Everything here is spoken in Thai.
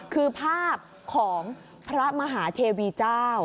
คือภาพของพระมหาเทวีเจ้า